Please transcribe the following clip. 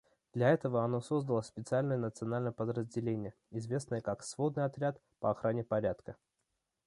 Для этого оно создало специальное национальное подразделение, известное как «Сводный отряд по охране порядка».